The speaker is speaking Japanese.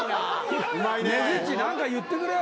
ねづっち何か言ってくれよ。